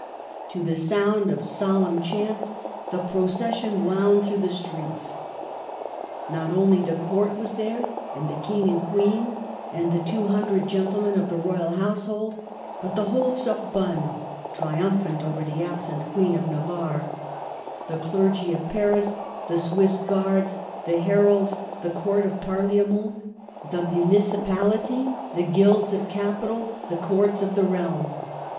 To the sound of solemn chants, the procession wound through the streets. Not only the Court was there, and the King and Queen, and the two hundred gentle men of the royal household, but the whole Sor bonne (triumphant over the absent Queen of Navarre), the clergy of Paris, the Swiss Guards, the Heralds, the Court of Parliament, the Muni cipality, the Guilds of Capital, the Courts of the Realm.